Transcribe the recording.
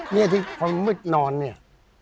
เนี่ยที่ความมืดนอนเนี่ย